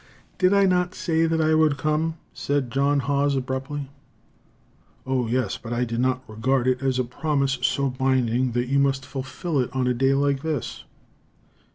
"Did I not say that I would come?" asked John Haws, abruptly. "O, yes; but I did not regard it as a promise so binding that you must fulfil it on a day like this!"